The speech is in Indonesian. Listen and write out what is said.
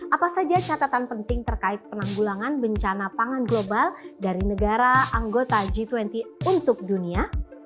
apa saja catatan penting terkait penanggulangan bencana pangan global dari negara anggota g dua puluh untuk dunia